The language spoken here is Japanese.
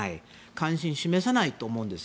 関心を示さないと思うんです。